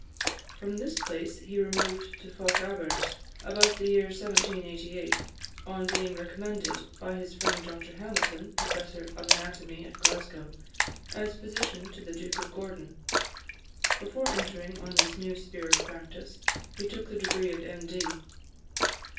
From this place he removed to Fochabers, about the year 1788, on being recommended, by his friend Dr Hamilton, Professor of Anatomy at Glasgow, as physician to the Duke of Gordon. Before entering on this new sphere of practice, he took the degree of M.